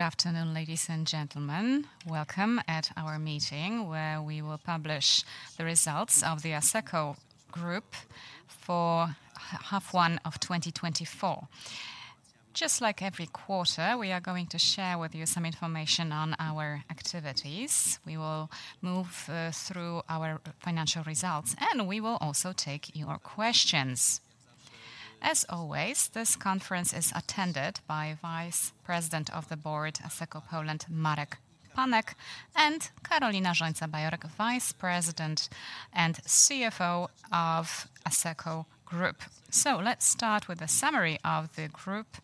Good afternoon, ladies and gentlemen. Welcome to our meeting, where we will publish the results of the Asseco Group for half one of twenty twenty-four. Just like every quarter, we are going to share with you some information on our activities. We will move through our financial results, and we will also take your questions. As always, this conference is attended by Vice President of the Board of Asseco Poland, Marek Panek, and Karolina Rzońca-Bajorek, Vice President and CFO of Asseco Group. Let's start with a summary of the group,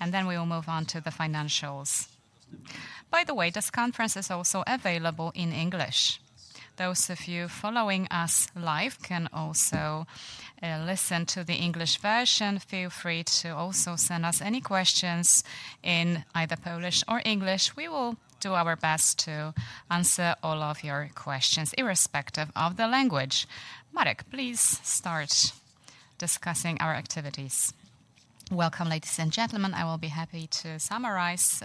and then we will move on to the financials. By the way, this conference is also available in English. Those of you following us live can also listen to the English version. Feel free to also send us any questions in either Polish or English. We will do our best to answer all of your questions, irrespective of the language. Marek, please start discussing our activities. Welcome, ladies and gentlemen. I will be happy to summarize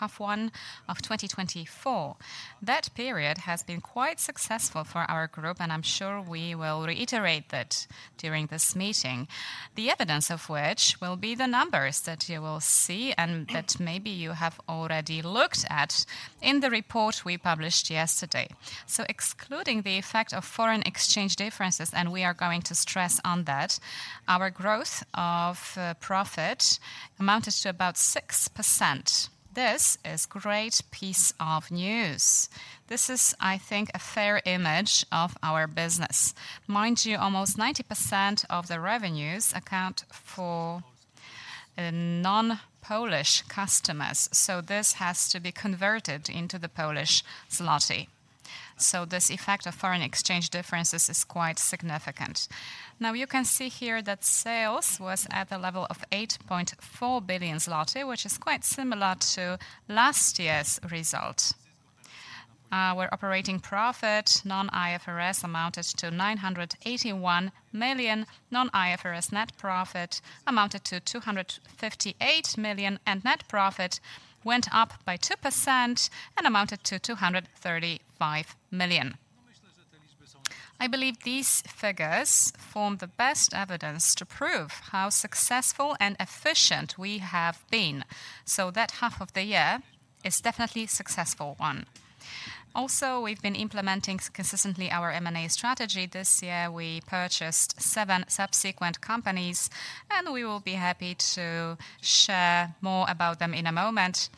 H1 of 2024. That period has been quite successful for our group, and I'm sure we will reiterate that during this meeting, the evidence of which will be the numbers that you will see and that maybe you have already looked at in the report we published yesterday, so excluding the effect of foreign exchange differences, and we are going to stress on that, our growth of profit amounted to about 6%. This is great piece of news. This is, I think, a fair image of our business. Mind you, almost 90% of the revenues account for non-Polish customers, so this has to be converted into the Polish zloty. This effect of foreign exchange differences is quite significant. Now, you can see here that sales was at the level of 8.4 billion zloty, which is quite similar to last year's result. Our operating profit, non-IFRS, amounted to 981 million, non-IFRS net profit amounted to 258 million, and net profit went up by 2% and amounted to 235 million. I believe these figures form the best evidence to prove how successful and efficient we have been, so that half of the year is definitely successful one. Also, we've been implementing consistently our M&A strategy. This year, we purchased seven subsequent companies, and we will be happy to share more about them in a moment.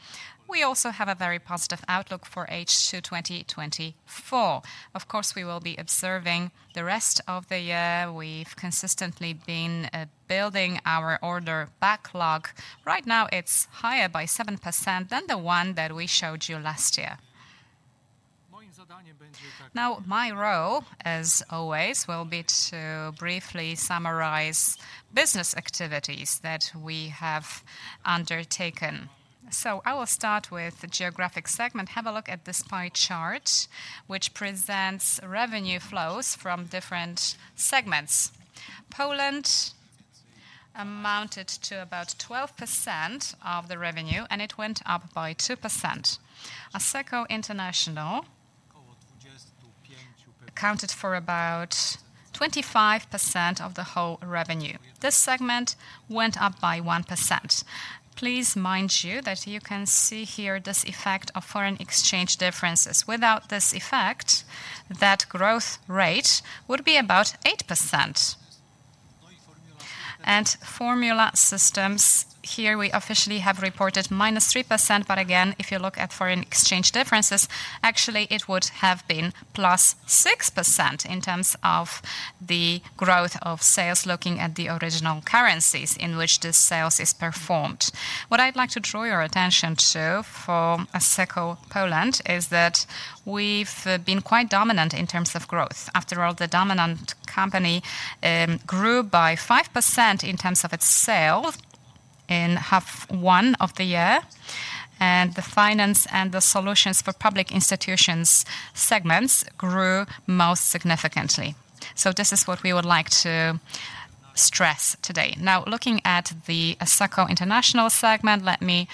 We also have a very positive outlook for H2 2024. Of course, we will be observing the rest of the year. We've consistently been building our order backlog. Right now, it's higher by 7% than the one that we showed you last year. Now, my role, as always, will be to briefly summarize business activities that we have undertaken. So I will start with the geographic segment. Have a look at this pie chart, which presents revenue flows from different segments. Poland amounted to about 12% of the revenue, and it went up by 2%. Asseco International accounted for about 25% of the whole revenue. This segment went up by 1%. Please mind you, that you can see here this effect of foreign exchange differences. Without this effect, that growth rate would be about 8%. And Formula Systems, here we officially have reported -3%, but again, if you look at foreign exchange differences, actually, it would have been +6% in terms of the growth of sales, looking at the original currencies in which the sales is performed. What I'd like to draw your attention to for Asseco Poland is that we've been quite dominant in terms of growth. After all, the dominant company grew by 5% in terms of its sales in half one of the year, and the finance and the solutions for public institutions segments grew most significantly. So this is what we would like to stress today. Now, looking at the Asseco International segment, let me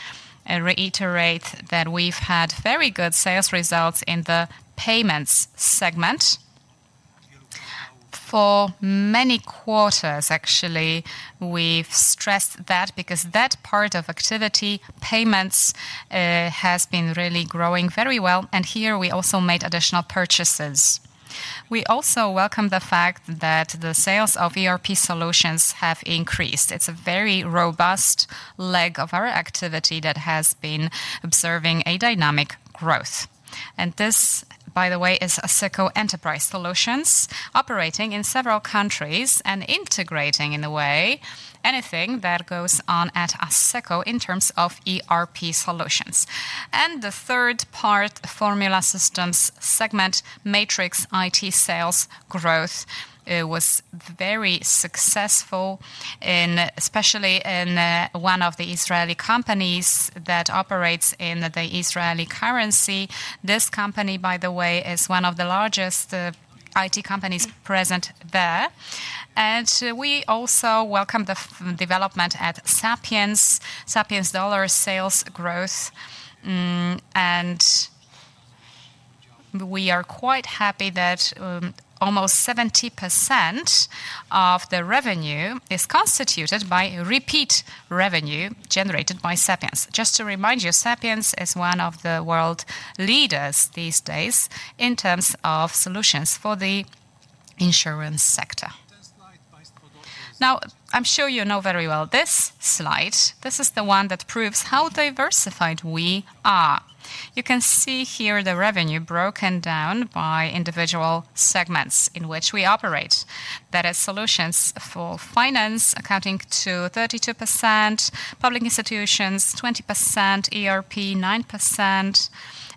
reiterate that we've had very good sales results in the payments segment. For many quarters, actually, we've stressed that because that part of activity, payments, has been really growing very well, and here we also made additional purchases. We also welcome the fact that the sales of ERP solutions have increased. It's a very robust leg of our activity that has been observing a dynamic growth. And this, by the way, is Asseco Enterprise Solutions, operating in several countries and integrating, in a way, anything that goes on at Asseco in terms of ERP solutions. And the third part, Formula Systems segment, Matrix IT sales growth was very successful especially in one of the Israeli companies that operates in the Israeli currency. This company, by the way, is one of the largest IT companies present there. And we also welcome the development at Sapiens. Sapiens dollar sales growth, and we are quite happy that, almost 70% of the revenue is constituted by repeat revenue generated by Sapiens. Just to remind you, Sapiens is one of the world leaders these days in terms of solutions for the insurance sector. Now, I'm sure you know very well this slide. This is the one that proves how diversified we are. You can see here the revenue broken down by individual segments in which we operate. That is, solutions for finance accounting to 32%, public institutions 20%, ERP 9%,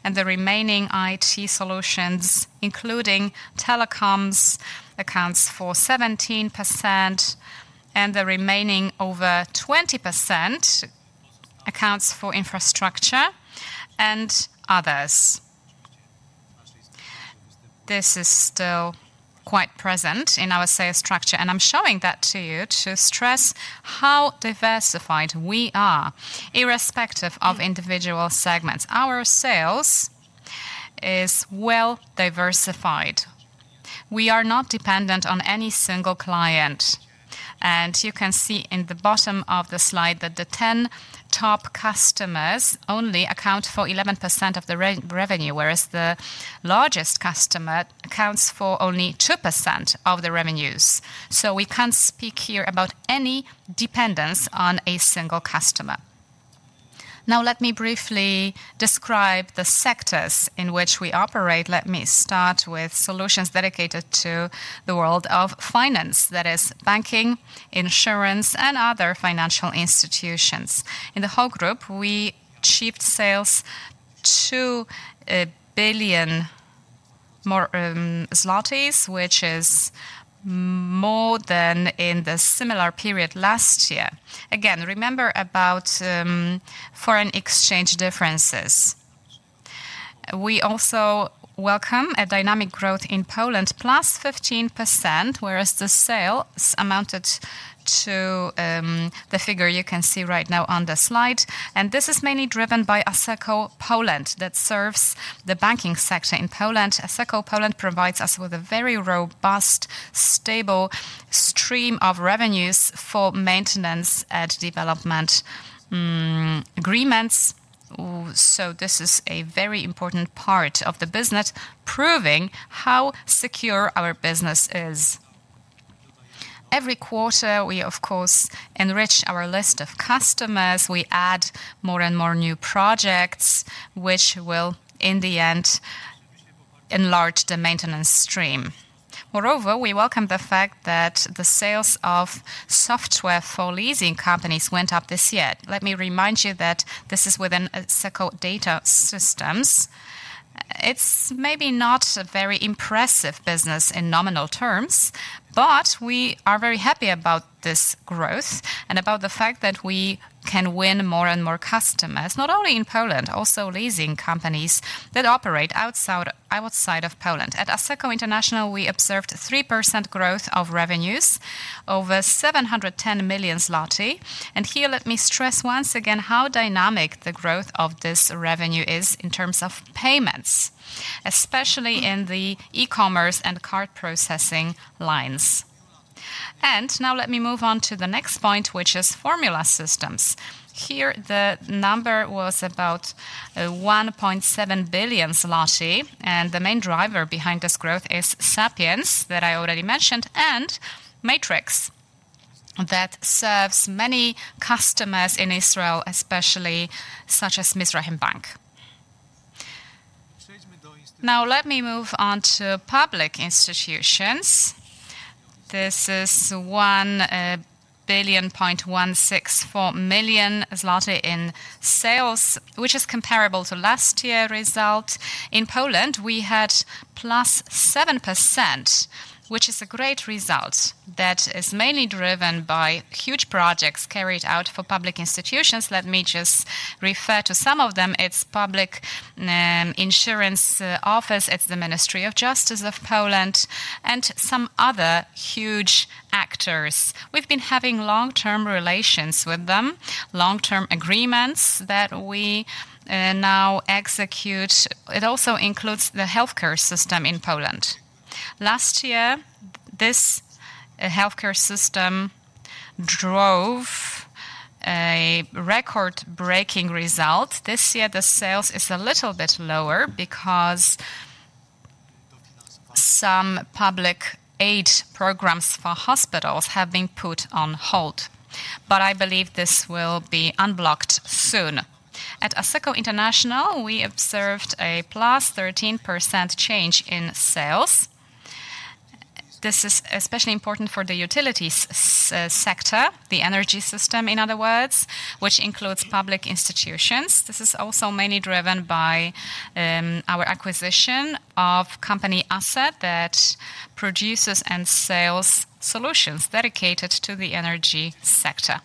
and the remaining IT solutions, including telecoms, accounts for 17%, and the remaining over 20% accounts for infrastructure and others. This is still quite present in our sales structure, and I'm showing that to you to stress how diversified we are. Irrespective of individual segments, our sales is well-diversified. We are not dependent on any single client, and you can see in the bottom of the slide that the 10 top customers only account for 11% of the revenue, whereas the largest customer accounts for only 2% of the revenues. So we can't speak here about any dependence on a single customer. Now, let me briefly describe the sectors in which we operate. Let me start with solutions dedicated to the world of finance, that is banking, insurance, and other financial institutions. In the whole group, we achieved sales to 1 billion more zlotys, which is more than in the similar period last year. Again, remember about foreign exchange differences. We also welcome a dynamic growth in Poland, +15%, whereas the sales amounted to the figure you can see right now on the slide, and this is mainly driven by Asseco Poland, that serves the banking sector in Poland. Asseco Poland provides us with a very robust, stable stream of revenues for maintenance and development agreements, so this is a very important part of the business, proving how secure our business is. Every quarter, we, of course, enrich our list of customers. We add more and more new projects, which will, in the end, enlarge the maintenance stream. Moreover, we welcome the fact that the sales of software for leasing companies went up this year. Let me remind you that this is within Asseco Data Systems. It's maybe not a very impressive business in nominal terms, but we are very happy about this growth and about the fact that we can win more and more customers, not only in Poland, also leasing companies that operate outside, outside of Poland. At Asseco International, we observed 3% growth of revenues, over 710 million zloty. And here, let me stress once again how dynamic the growth of this revenue is in terms of payments, especially in the e-commerce and card processing lines, and now let me move on to the next point, which is Formula Systems. Here, the number was about 1.7 billion zloty, and the main driver behind this growth is Sapiens, that I already mentioned, and Matrix, that serves many customers in Israel, especially, such as Mizrahi Bank. Now, let me move on to public institutions. This is 1.164 billion in sales, which is comparable to last year result. In Poland, we had +7%, which is a great result that is mainly driven by huge projects carried out for public institutions. Let me just refer to some of them. It's Public Insurance Office, it's the Ministry of Justice of Poland, and some other huge actors. We've been having long-term relations with them, long-term agreements that we now execute. It also includes the healthcare system in Poland. Last year, this healthcare system drove a record-breaking result. This year, the sales is a little bit lower because some public aid programs for hospitals have been put on hold, but I believe this will be unblocked soon. At Asseco International, we observed a +13% change in sales. This is especially important for the utilities sector, the energy system, in other words, which includes public institutions. This is also mainly driven by our acquisition of company Asset, that produces and sells solutions dedicated to the energy sector.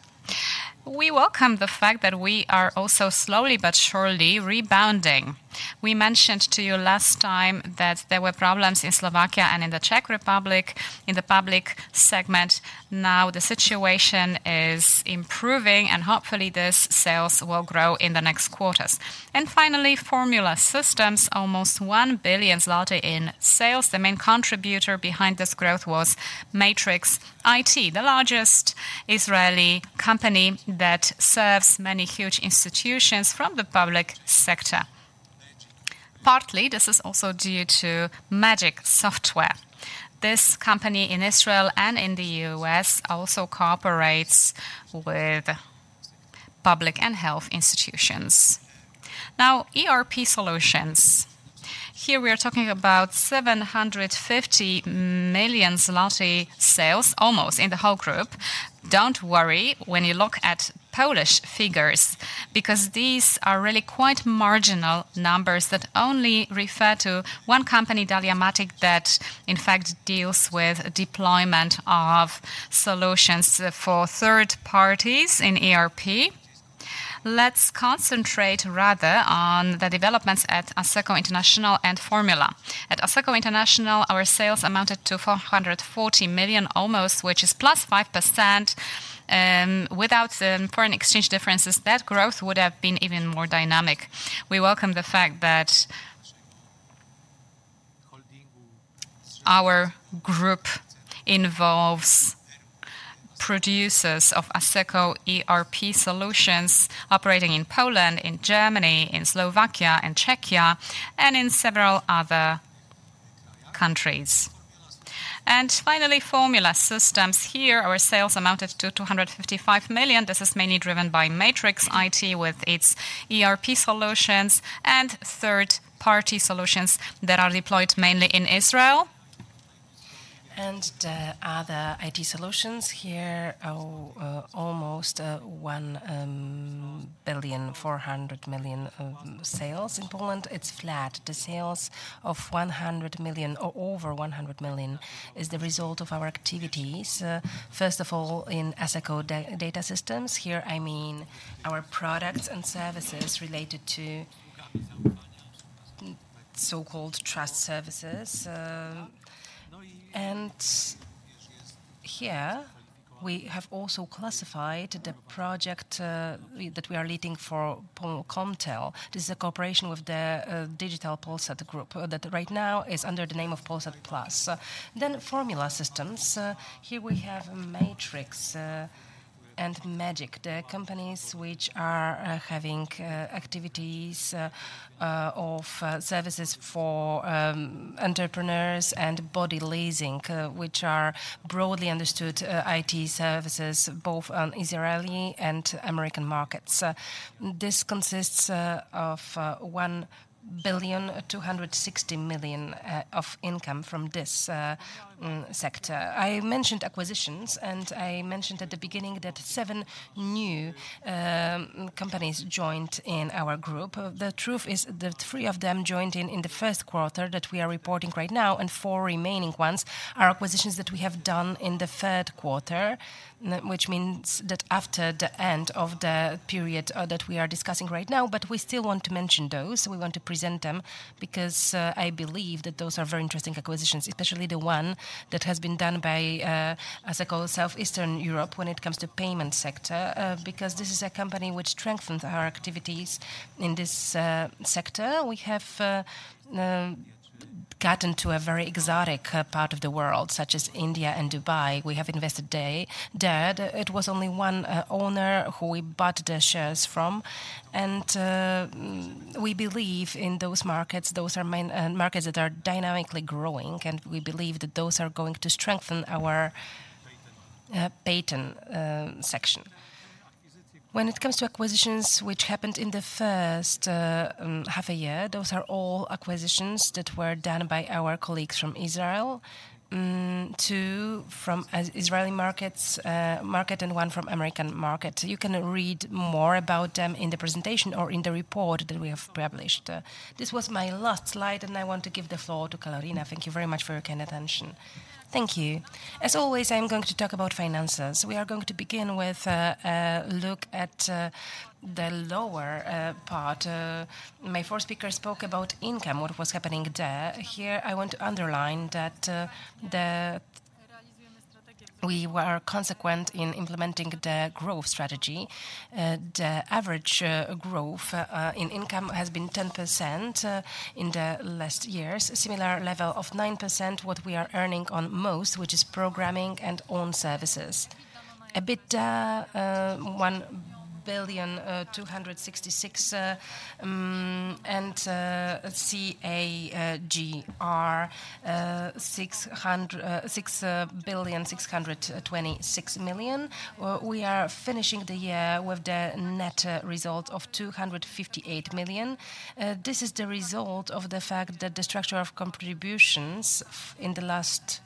We welcome the fact that we are also slowly but surely rebounding. We mentioned to you last time that there were problems in Slovakia and in the Czech Republic, in the public segment. Now, the situation is improving, and hopefully, these sales will grow in the next quarters. And finally, Formula Systems, almost 1 billion zloty in sales. The main contributor behind this growth was Matrix IT, the largest Israeli company that serves many huge institutions from the public sector. Partly, this is also due to Magic Software. This company in Israel and in the U.S. also cooperates with public and health institutions. Now, ERP solutions. Here we are talking about 750 million zloty in sales, almost in the whole group. Don't worry when you look at Polish figures, because these are really quite marginal numbers that only refer to one company, DahliaMatic, that in fact deals with deployment of solutions for third parties in ERP. Let's concentrate rather on the developments at Asseco International and Formula. At Asseco International, our sales amounted to 440 million, almost, which is +5%. Without the foreign exchange differences, that growth would have been even more dynamic. We welcome the fact that our group involves producers of Asseco ERP solutions operating in Poland, in Germany, in Slovakia, and Czechia, and in several other countries. And finally, Formula Systems. Here, our sales amounted to 255 million. This is mainly driven by Matrix IT, with its ERP solutions and third-party solutions that are deployed mainly in Israel. The other IT solutions here are almost 1.4 billion sales. In Poland, it's flat. The sales of 100 million or over 100 million is the result of our activities, first of all, in Asseco Data Systems. Here, I mean, our products and services related to so-called trust services. Here, we have also classified the project that we are leading for Polkomtel. This is a cooperation with the Cyfrowy Polsat group that right now is under the name of Polsat Plus. Formula Systems. Here we have Matrix and Magic, the companies which are having activities of services for entrepreneurs and body leasing, which are broadly understood IT services, both on Israeli and American markets. This consists of 1.26 billion of income from this sector. I mentioned acquisitions, and I mentioned at the beginning that seven new companies joined in our group. The truth is that three of them joined in the first quarter that we are reporting right now, and four remaining ones are acquisitions that we have done in the third quarter, which means that after the end of the period that we are discussing right now, but we still want to mention those. We want to present them because I believe that those are very interesting acquisitions, especially the one that has been done by Asseco South Eastern Europe when it comes to payment sector, because this is a company which strengthens our activities in this sector. We have gotten to a very exotic part of the world, such as India and Dubai. We have invested there. It was only one owner who we bought the shares from, and we believe in those markets. Those are main markets that are dynamically growing, and we believe that those are going to strengthen our Payten section. When it comes to acquisitions which happened in the first half a year, those are all acquisitions that were done by our colleagues from Israel, two from Israeli market, and one from American market. You can read more about them in the presentation or in the report that we have published. This was my last slide, and I want to give the floor to Karolina. Thank you very much for your kind attention. Thank you. As always, I'm going to talk about finances. We are going to begin with a look at the lower part. My first speaker spoke about income, what was happening there. Here, I want to underline that the... We were consequent in implementing the growth strategy. The average growth in income has been 10% in the last years. A similar level of 9%, what we are earning on most, which is programming and own services. EBITDA, 1,266,000,000, and CAGR, 626 million. We are finishing the year with the net result of 258 million. This is the result of the fact that the structure of contributions in the last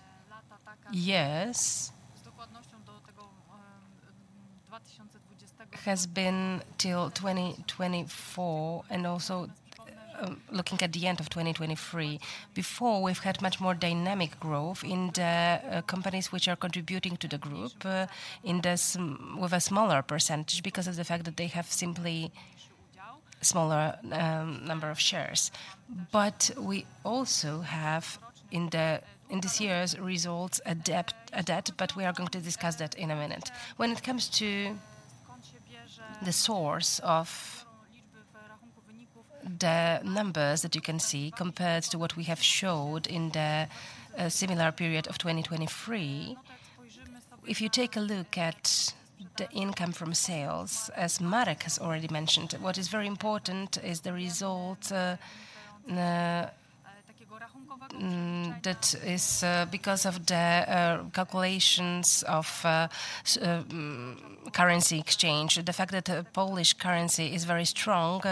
years has been till 2024, and also looking at the end of 2023. Before, we've had much more dynamic growth in the companies which are contributing to the group, in the with a smaller percentage, because of the fact that they have simply smaller number of shares. But we also have, in this year's results, a debt, but we are going to discuss that in a minute. When it comes to the source of the numbers that you can see, compared to what we have showed in the similar period of 2023, if you take a look at the income from sales, as Marek has already mentioned, what is very important is the result that is because of the calculations of currency exchange. The fact that the Polish currency is very strong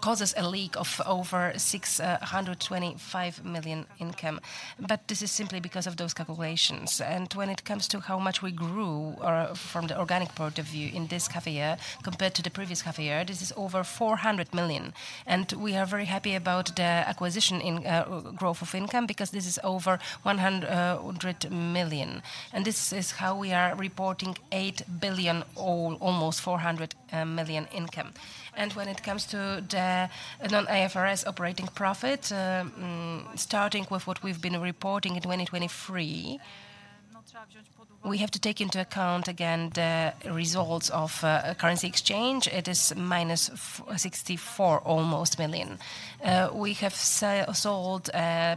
causes a leak of over 625 million income, but this is simply because of those calculations. When it comes to how much we grew from the organic point of view in this half a year compared to the previous half a year, this is over 400 million. We are very happy about the acquisition in growth of income, because this is over 100 million, and this is how we are reporting 8 billion, or almost 400 million income. When it comes to the non-IFRS operating profit, starting with what we've been reporting in 2023, we have to take into account again the results of currency exchange. It is -64, almost, million. We have sold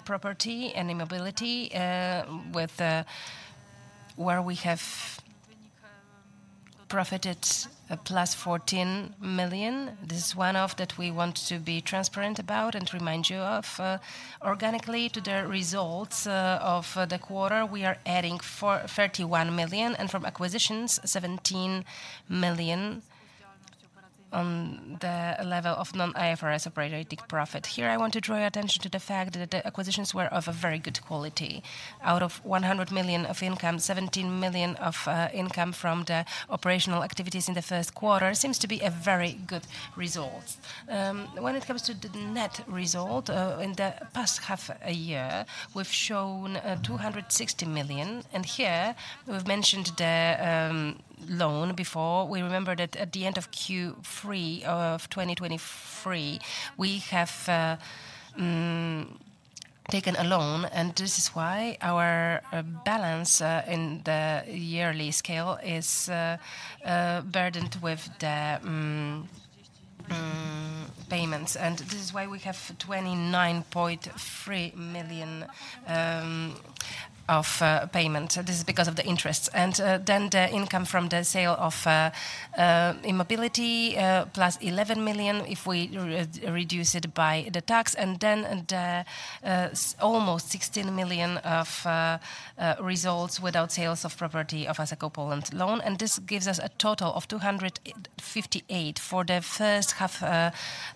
property and immovable property, where we have profited a +14 million. This is one of that we want to be transparent about and remind you of. Organically, to the results of the quarter, we are adding 431 million, and from acquisitions, 17 million on the level of non-IFRS operating profit. Here, I want to draw your attention to the fact that the acquisitions were of a very good quality. Out of 100 million of income, 17 million of income from the operational activities in the first quarter seems to be a very good result. When it comes to the net result, in the past half a year, we've shown 260 million, and here we've mentioned the loan before. We remember that at the end of Q3 of 2023, we have taken a loan, and this is why our balance in the yearly scale is burdened with the payments, and this is why we have 29.3 million of payment. This is because of the interest. Then the income from the sale of immovable property, +11 million, if we reduce it by the tax, and then the almost 16 million of results without sales of property of Asseco Poland alone, and this gives us a total of 258 million for the first half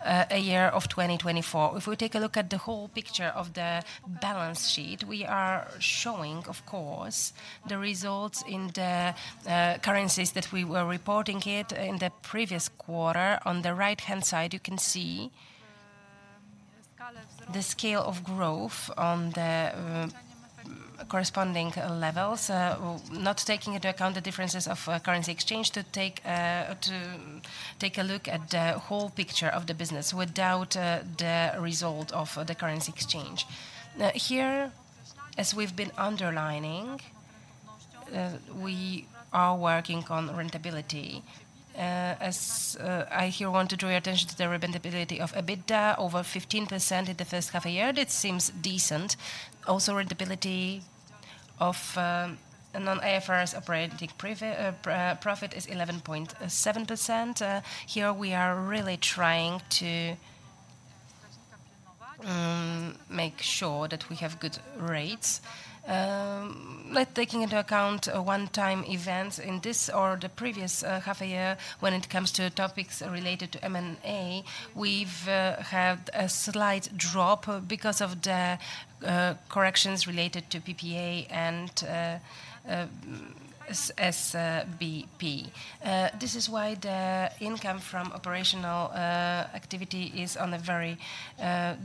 a year of 2024. If we take a look at the whole picture of the balance sheet, we are showing, of course, the results in the currencies that we were reporting it in the previous quarter. On the right-hand side, you can see the scale of growth on the corresponding levels, not taking into account the differences of currency exchange, to take a look at the whole picture of the business without the result of the currency exchange. Now, here, as we've been underlining, we are working on profitability. As I here want to draw your attention to the profitability of EBITDA, over 15% in the first half a year, that seems decent. Also, profitability of non-IFRS operating profit is 11.7%. Here we are really trying to make sure that we have good rates. Like taking into account a one-time event in this or the previous half a year, when it comes to topics related to M&A, we've had a slight drop because of the corrections related to PPA and SBP. This is why the income from operational activity is on a very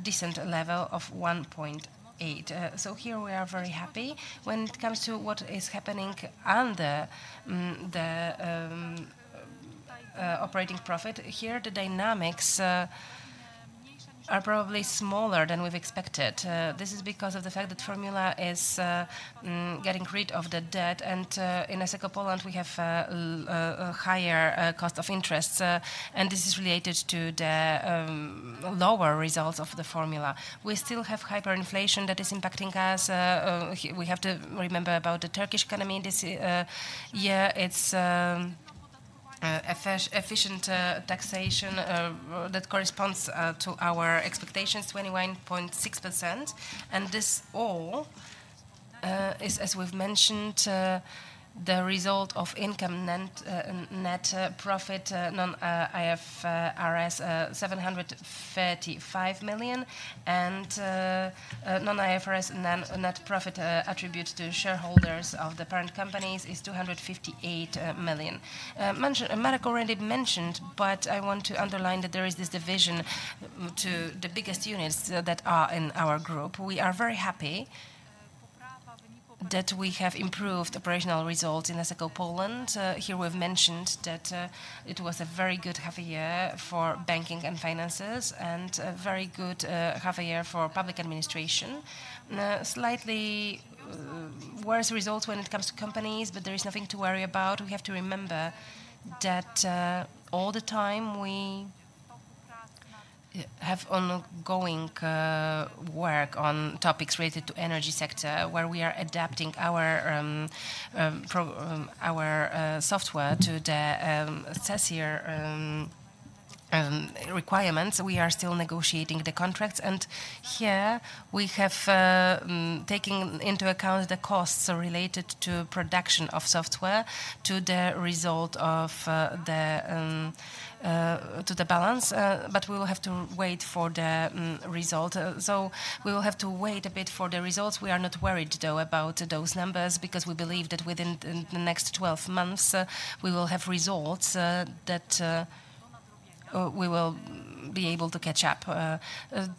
decent level of 1.8. So here we are very happy. When it comes to what is happening under the operating profit, here the dynamics are probably smaller than we've expected. This is because of the fact that Formula is getting rid of the debt, and in Asseco Poland we have a higher cost of interest, and this is related to the lower results of the Formula. We still have hyperinflation that is impacting us. We have to remember about the Turkish economy this year. It's efficient taxation that corresponds to our expectations, 21.6%. This all is, as we've mentioned, the result of net income, non-IFRS net profit of 735 million, and non-IFRS net profit attributable to shareholders of the parent companies is 258 million. Marek already mentioned, but I want to underline that there is this division to the biggest units that are in our group. We are very happy that we have improved operational results in Asseco Poland. Here we've mentioned that it was a very good half a year for banking and finances, and a very good half a year for public administration. Slightly worse results when it comes to companies, but there is nothing to worry about. We have to remember that all the time we have ongoing work on topics related to energy sector, where we are adapting our software to the sector requirements. We are still negotiating the contracts, and here we have taking into account the costs related to production of software to the result of the to the balance, but we will have to wait for the result, so we will have to wait a bit for the results. We are not worried, though, about those numbers, because we believe that within the next twelve months we will have results that we will be able to catch up.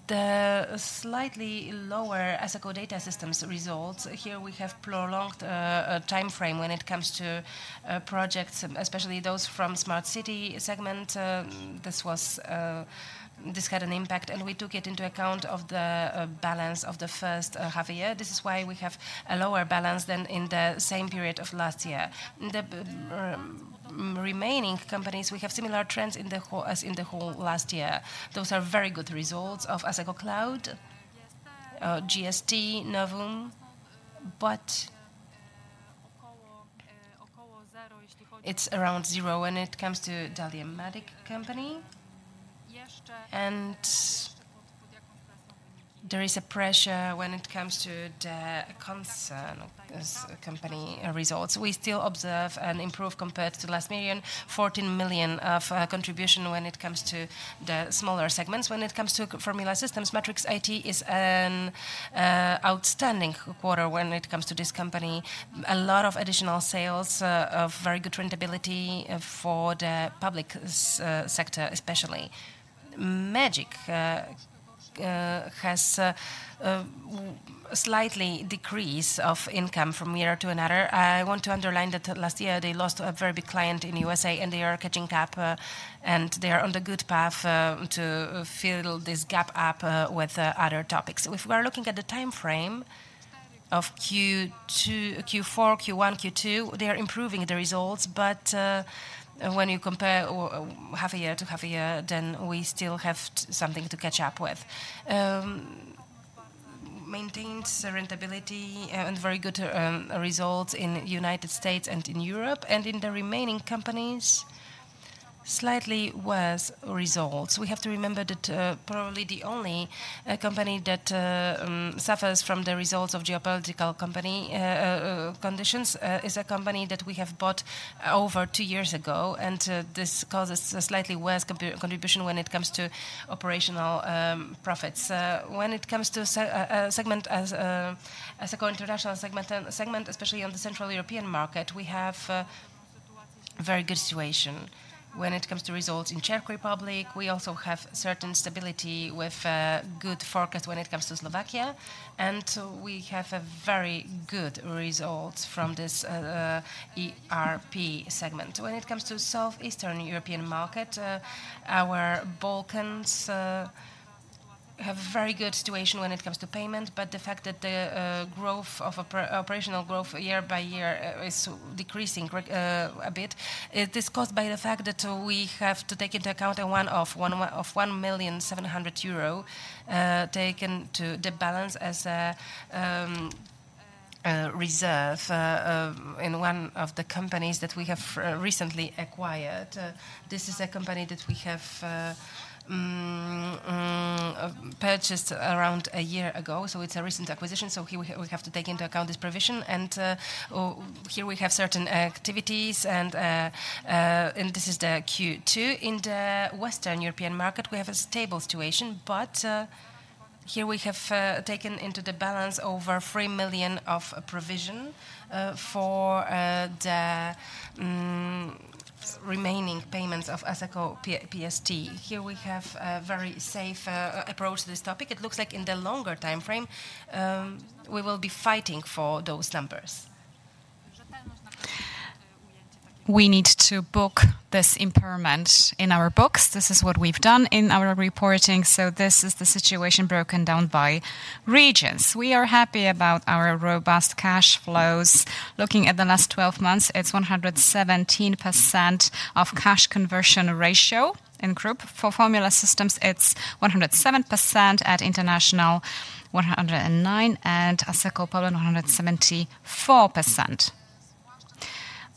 The slightly lower Asseco Data Systems results, here we have prolonged a timeframe when it comes to projects, especially those from smart city segment. This was. This had an impact, and we took it into account of the balance of the first half a year. This is why we have a lower balance than in the same period of last year. In the remaining companies, we have similar trends in the whole as in the whole last year. Those are very good results of Asseco Cloud, GST, Novum, but it's around zero when it comes to DahliaMatic company. There is a pressure when it comes to the Koncern Asseco company results. We still observe an improvement compared to last year, minus fourteen million of contribution when it comes to the smaller segments. When it comes to Formula Systems, Matrix IT is an outstanding quarter when it comes to this company. A lot of additional sales of very good profitability for the public sector, especially. Magic has slightly decrease of income from year to another. I want to underline that last year they lost a very big client in U.S.A, and they are catching up, and they are on the good path to fill this gap up with other topics. If we are looking at the timeframe of Q2, Q4, Q1, Q2, they are improving the results, but when you compare half a year to half a year, then we still have something to catch up with. Maintained profitability and very good results in United States and in Europe, and in the remaining companies, slightly worse results. We have to remember that probably the only company that suffers from the results of geopolitical conditions is a company that we have bought over two years ago, and this causes a slightly worse contribution when it comes to operational profits. When it comes to Asseco International segment, especially on the Central European market, we have very good situation. When it comes to results in Czech Republic, we also have certain stability with good forecast when it comes to Slovakia, and we have a very good result from this ERP segment. When it comes to Southeastern European market, our Balkans have very good situation when it comes to payment, but the fact that the growth of operational growth year by year is decreasing a bit. It is caused by the fact that we have to take into account a one-off of 1.7 million taken to the balance as a reserve in one of the companies that we have recently acquired. This is a company that we have purchased around a year ago, so it's a recent acquisition, so here we have to take into account this provision, and here we have certain activities, and this is the Q2. In the Western European market, we have a stable situation, but here we have taken into the balance over 3 million of provision for the remaining payments of Asseco PST. Here we have a very safe approach to this topic. It looks like in the longer timeframe, we will be fighting for those numbers. We need to book this impairment in our books. This is what we've done in our reporting, so this is the situation broken down by regions. We are happy about our robust cash flows. Looking at the last 12 months, it's 117% of cash conversion ratio in group. For Formula Systems, it's 107%, at International, 109%, and Asseco Poland, 174%.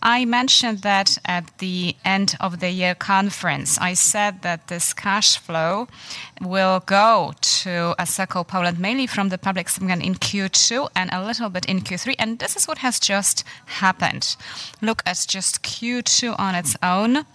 I mentioned that at the end-of-year conference, I said that this cash flow will go to Asseco Poland, mainly from the public segment in Q2 and a little bit in Q3, and this is what has just happened. Look at just Q2 on its own.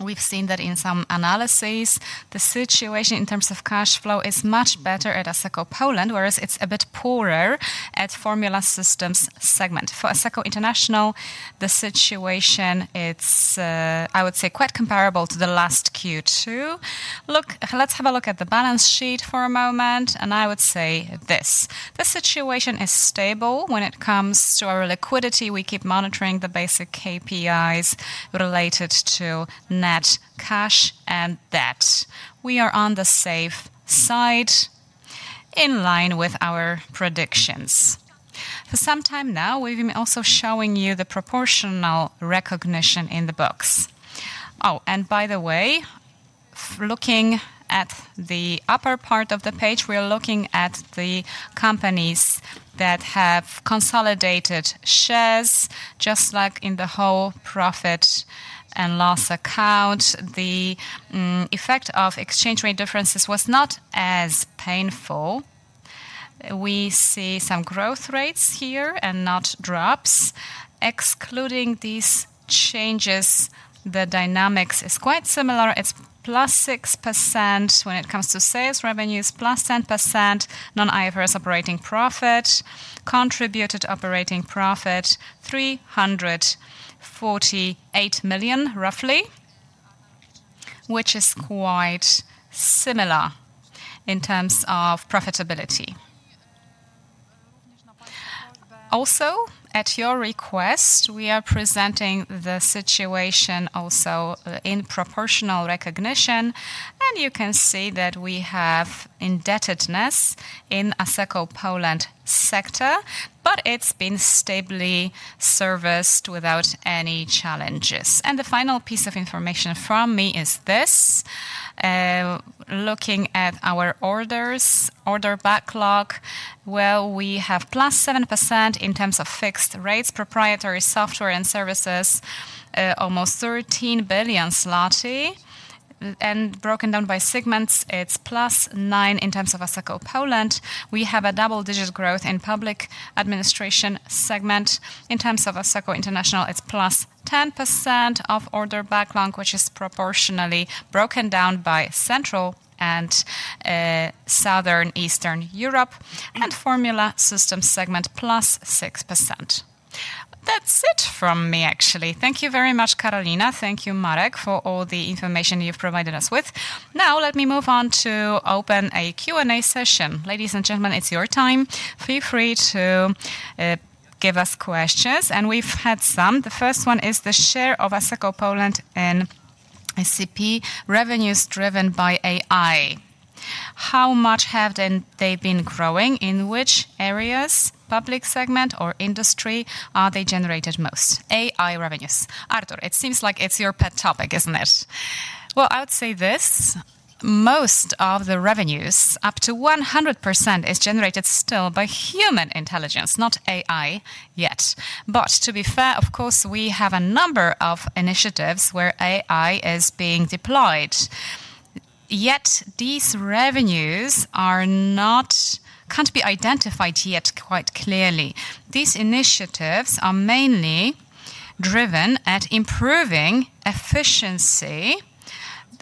We've seen that in some analysis, the situation in terms of cash flow is much better at Asseco Poland, whereas it's a bit poorer at Formula Systems segment. For Asseco International, the situation, it's, I would say, quite comparable to the last Q2. Look, let's have a look at the balance sheet for a moment, and I would say this: the situation is stable when it comes to our liquidity. We keep monitoring the basic KPIs related to net cash and debt. We are on the safe side, in line with our predictions. For some time now, we've been also showing you the proportional recognition in the books. Oh, and by the way, looking at the upper part of the page, we are looking at the companies that have consolidated shares, just like in the whole profit and loss account. The effect of exchange rate differences was not as painful. We see some growth rates here and not drops. Excluding these changes, the dynamics is quite similar. It's +6% when it comes to sales revenues, +10% non-IFRS operating profit, contributed operating profitPLN 348 million, roughly, which is quite similar in terms of profitability. Also, at your request, we are presenting the situation also in proportional recognition, and you can see that we have indebtedness in Asseco Poland sector, but it's been stably serviced without any challenges. The final piece of information from me is this, looking at our orders, order backlog, well, we have +7% in terms of fixed rates, proprietary software and services, almost 13 billion zloty. Broken down by segments, it's +9% in terms of Asseco Poland. We have a double-digit growth in public administration segment. In terms of Asseco International, it's +10% of order backlog, which is proportionally broken down by Central and Southeastern Europe, and Formula Systems segment, +6%. That's it from me, actually. Thank you very much, Karolina. Thank you, Marek, for all the information you've provided us with. Now, let me move on to open a Q&A session. Ladies and gentlemen, it's your time. Feel free to give us questions, and we've had some. The first one is the share of Asseco Poland and ACP revenues driven by AI. How much have then they been growing? In which areas, public segment or industry, are they generated most? AI revenues. Artur, it seems like it's your pet topic, isn't it? Well, I would say this: most of the revenues, up to 100%, is generated still by human intelligence, not AI yet. But to be fair, of course, we have a number of initiatives where AI is being deployed, yet these revenues are not... can't be identified yet quite clearly. These initiatives are mainly driven at improving efficiency,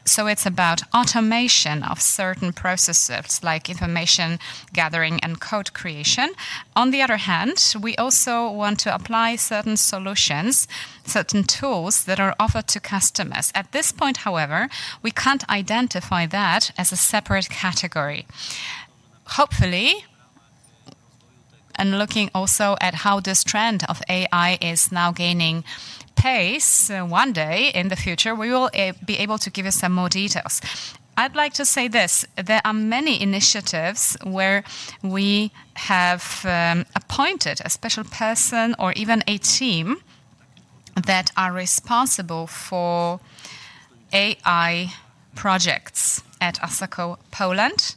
so it's about automation of certain processes, like information gathering a`nd code creation. On the other hand, we also want to apply certain solutions, certain tools that are offered to customers. At this point, however, we can't identify that as a separate category. Hopefully, and looking also at how this trend of AI is now gaining pace, one day in the future, we will be able to give you some more details. I'd like to say this: there are many initiatives where we have appointed a special person or even a team that are responsible for AI projects at Asseco Poland,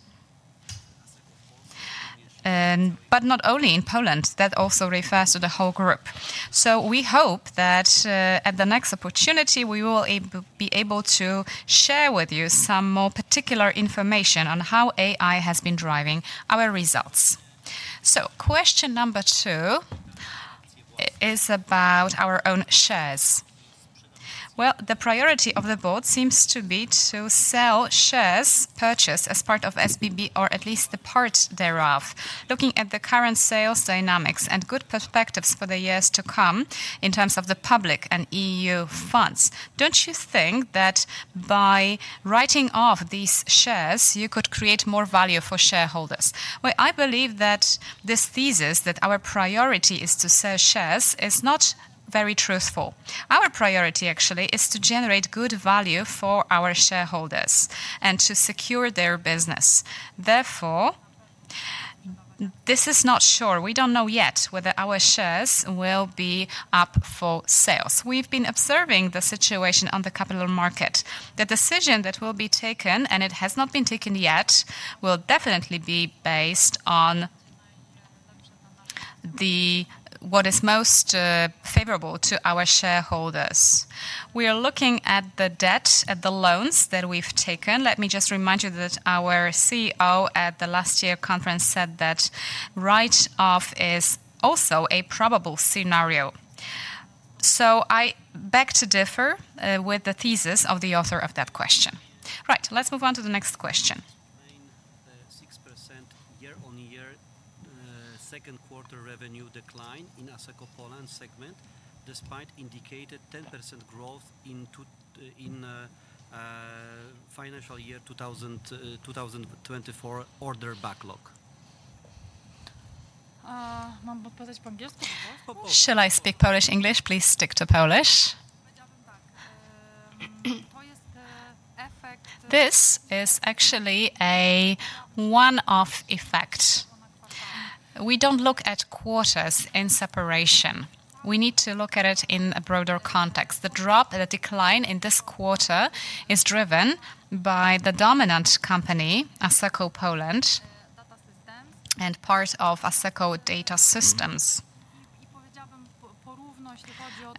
but not only in Poland, that also refers to the whole group. So we hope that at the next opportunity, we will be able to share with you some more particular information on how AI has been driving our results. So question number two is about our own shares. Well, the priority of the board seems to be to sell shares purchased as part of SBB, or at least the part thereof. Looking at the current sales dynamics and good perspectives for the years to come in terms of the public and EU funds, don't you think that by writing off these shares, you could create more value for shareholders? I believe that this thesis, that our priority is to sell shares, is not very truthful. Our priority, actually, is to generate good value for our shareholders and to secure their business. Therefore, this is not sure. We don't know yet whether our shares will be up for sales. We've been observing the situation on the capital market. The decision that will be taken, and it has not been taken yet, will definitely be based on what is most favorable to our shareholders. We are looking at the debt, at the loans that we've taken. Let me just remind you that our CEO, at the last year conference, said that write-off is also a probable scenario. So I beg to differ with the thesis of the author of that question. Right, let's move on to the next question. 6% year-on-year, second quarter revenue decline in Asseco Poland segment, despite indicated 10% growth in financial year 2024 order backlog? Shall I speak Polish, English? Please stick to Polish. This is actually a one-off effect. We don't look at quarters in separation. We need to look at it in a broader context. The drop, the decline in this quarter is driven by the dominant company, Asseco Poland and part of Asseco Data Systems.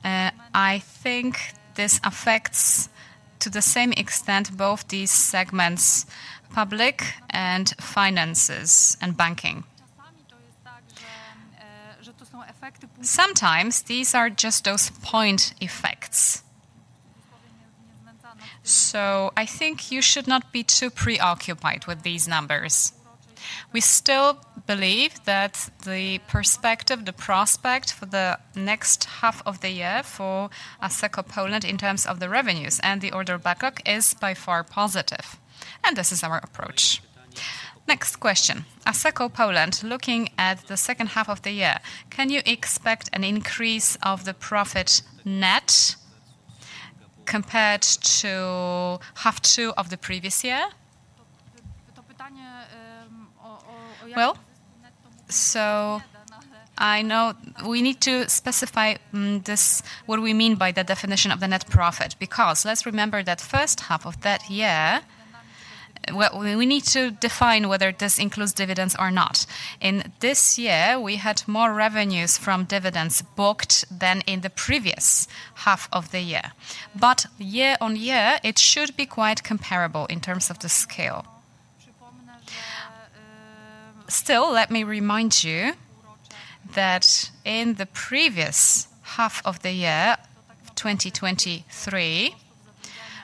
I think this affects, to the same extent, both these segments, public and finances, and banking. Sometimes these are just those point effects. So I think you should not be too preoccupied with these numbers. We still believe that the perspective, the prospect for the next half of the year for Asseco Poland, in terms of the revenues and the order backlog, is by far positive, and this is our approach. Next question: Asseco Poland, looking at the second half of the year, can you expect an increase of the profit net compared to half two of the previous year? We need to specify this, what we mean by the definition of the net profit, because let's remember that first half of that year, well, we need to define whether this includes dividends or not. In this year, we had more revenues from dividends booked than in the previous half of the year, but year-on-year, it should be quite comparable in terms of the scale. Still, let me remind you that in the previous half of the year, 2023,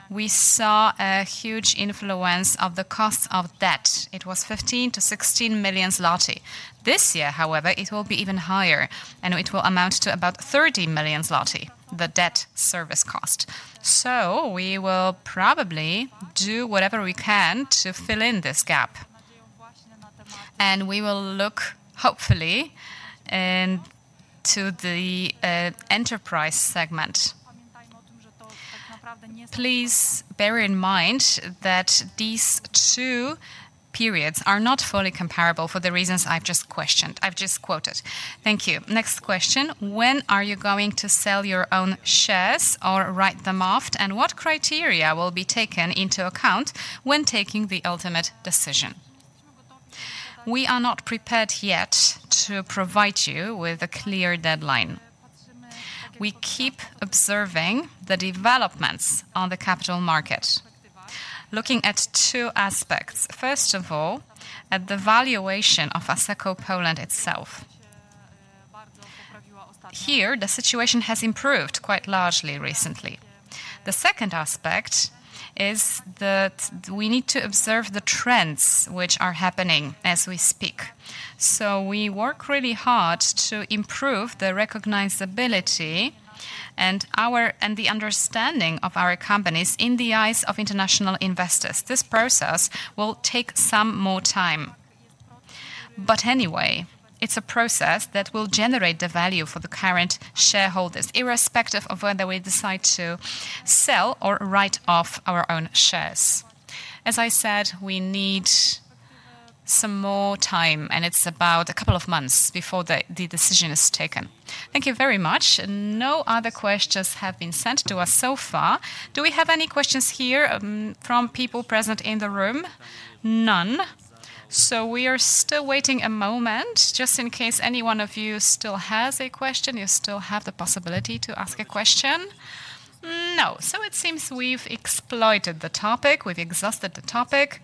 we saw a huge influence of the cost of debt. It was 15 million-16 million zloty. This year, however, it will be even higher, and it will amount to about 30 million zloty, the debt service cost, so we will probably do whatever we can to fill in this gap, and we will look, hopefully, into the Enterprise segment. Please bear in mind that these two periods are not fully comparable for the reasons I've just quoted. Thank you. Next question: When are you going to sell your own shares or write them off, and what criteria will be taken into account when taking the ultimate decision? We are not prepared yet to provide you with a clear deadline. We keep observing the developments on the capital market, looking at two aspects. First of all, at the valuation of Asseco Poland itself. Here, the situation has improved quite largely recently. The second aspect is that we need to observe the trends which are happening as we speak. So we work really hard to improve the recognizability and our and the understanding of our companies in the eyes of international investors. This process will take some more time, but anyway, it's a process that will generate the value for the current shareholders, irrespective of whether we decide to sell or write off our own shares. As I said, we need some more time, and it's about a couple of months before the decision is taken. Thank you very much. No other questions have been sent to us so far. Do we have any questions here from people present in the room? None. So we are still waiting a moment, just in case any one of you still has a question. You still have the possibility to ask a question. No, so it seems we've exhausted the topic. We've exhausted the topic.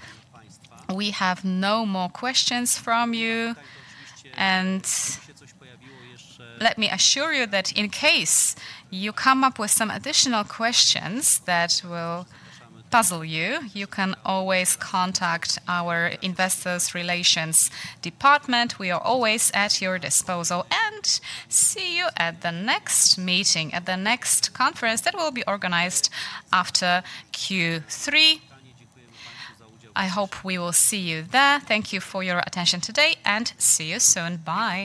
We have no more questions from you, and let me assure you that in case you come up with some additional questions that will puzzle you, you can always contact our investor relations department. We are always at your disposal, and see you at the next meeting, at the next conference that will be organized after Q3. I hope we will see you there. Thank you for your attention today, and see you soon. Bye.